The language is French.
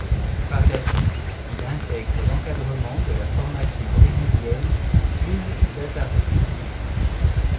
Par la suite, il intègre l'encadrement de la formation brésilienne Clube DataRo.